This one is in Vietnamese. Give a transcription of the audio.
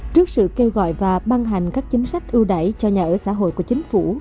trước sự kêu gọi và ban hành các chính sách ưu đải cho nhà ở xã hội của chính phủ